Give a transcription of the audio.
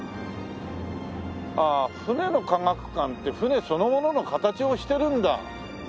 あ船の科学館って船そのものの形をしてるんだ。